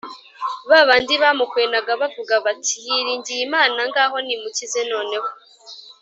ba bandi bamukwenaga bavuga bati, “yiringiye imana, ngaho nimukize nonaha,